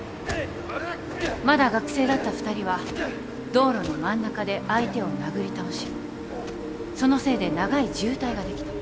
まだ学生だった２人は道路の真ん中で相手を殴り倒しそのせいで長い渋滞ができた。